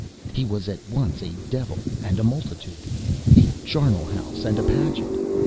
He was at once a devil and a multitude, a charnel house and a pageant.